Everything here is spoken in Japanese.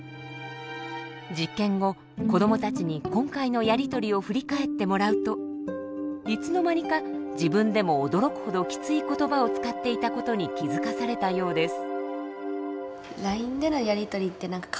実験後子どもたちに今回のやりとりを振り返ってもらうといつの間にか自分でも驚くほどきつい言葉を使っていた事に気付かされたようです。